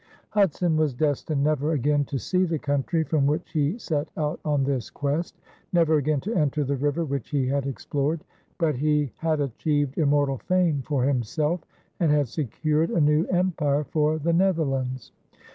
Hudson was destined never again to see the country from which he set out on this quest, never again to enter the river which he had explored. But he had achieved immortal fame for himself and had secured a new empire for the Netherlands.